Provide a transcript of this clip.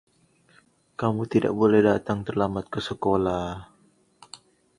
Kamu tidak boleh datang terlambat ke sekolah.